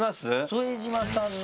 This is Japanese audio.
副島さんの。